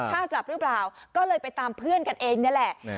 ฆ่าจับหรือเปล่าก็เลยไปตามเพื่อนกันเองนี่แหละ